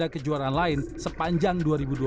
kejuaraan lain sepanjang dua ribu dua puluh